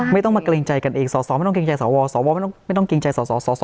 ไม่ต้องมาเกรงใจกันเองสอสอไม่ต้องเกรงใจสวสวไม่ต้องเกรงใจสส